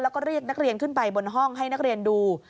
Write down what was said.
แล้วก็เรียกนักเรียนขึ้นไปบนห้องให้นักเรียนดู